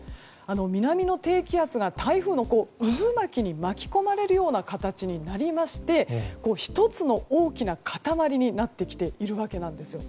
南の低気圧が台風の渦巻きに巻き込まれるような形になりまして１つの大きな塊になってきているわけなんですよ。